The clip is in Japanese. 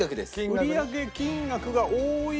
売り上げ金額が多い